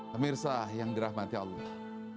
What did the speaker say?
pemirsa yang dirahmati allah